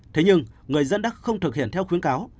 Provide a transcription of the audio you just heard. thế nhưng người dân đã không thực hiện theo khuyến cáo